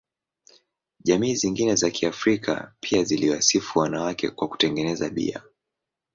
Jamii zingine za Kiafrika pia ziliwasifu wanawake kwa kutengeneza bia.